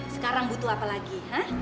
sekarang butuh apa lagi